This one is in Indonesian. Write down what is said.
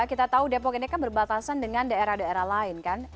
kita tahu depok ini kan berbatasan dengan daerah daerah lain kan